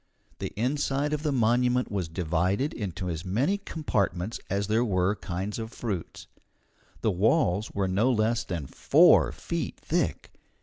The inside of the monument was divided into as many compartments as there were kinds of fruits. The walls were no less than four feet thick.